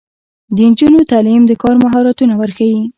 د نجونو تعلیم د کار مهارتونه ورښيي.